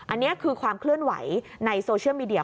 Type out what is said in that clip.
อันนี้คือความเคลื่อนไหวในโซเชียลมีเดีย